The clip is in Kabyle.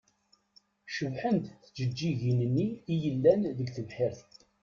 Cebḥent tjeǧǧigin-nni i yellan deg tebḥirt.